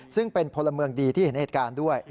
ซึ่งเป็นพลเมืองดีที่เห็นเหตุการณ์ด้วย